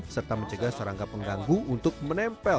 serta mencegah serangga pengganggu untuk menempel